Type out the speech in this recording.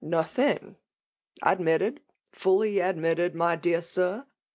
* Nothing i admitted ! fiiUy admitted, my dear Sir.